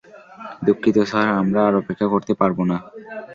দুঃখিত স্যার, আমরা আর অপেক্ষা করতে পারব না!